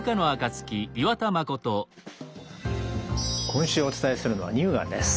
今週お伝えするのは乳がんです。